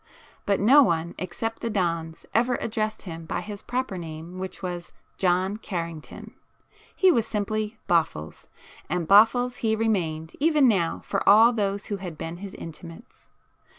But no one except the dons ever addressed him by his proper name, which was John Carrington,—he was simply 'Boffles,' and Boffles he remained even now for all those who had been his intimates.